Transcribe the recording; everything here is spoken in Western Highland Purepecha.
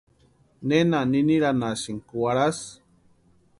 ¿Nena niniranhasïnki warhasï?